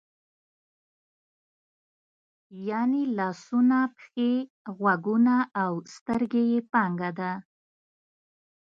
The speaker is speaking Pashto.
یعنې لاسونه، پښې، غوږونه او سترګې یې پانګه ده.